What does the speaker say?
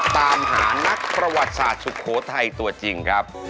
ตามหานักประวัติศาสตร์สุโขทัยตัวจริงครับ